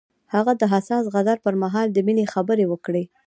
هغه د حساس غزل پر مهال د مینې خبرې وکړې.